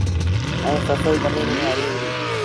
ائيٚݩ سسئيٚ زميݩ ميݩ هليٚ وُهڙيٚ۔